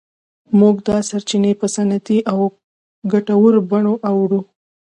موږ دا سرچینې په صنعتي او ګټورو بڼو اړوو.